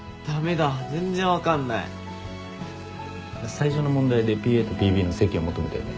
最初の問題でＰＡとＰＢの積を求めたよね。